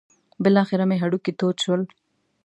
بالاخره مې هډوکي تود شول.